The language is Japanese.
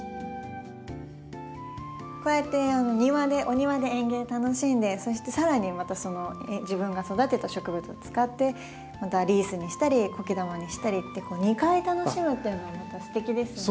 こうやって庭でお庭で園芸楽しんでそしてさらにまた自分が育てた植物を使ってまたリースにしたりコケ玉にしたりって２回楽しむっていうのもまたすてきですよね。